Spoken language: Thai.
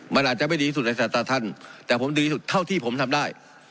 มันอาจจะไม่ดีสุดในสายตาท่านแต่ผมดีสุดเท่าที่ผมทำได้